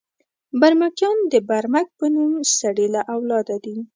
برمکیان د برمک په نوم سړي له اولاده دي.